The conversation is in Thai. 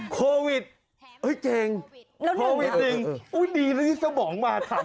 โควิดเฮ้ยเก่งโควิดหนึ่งโอ้ยดีนะนี่สมองมาถ่ำ